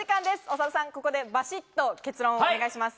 長田さん、バシっと結論をお願いします。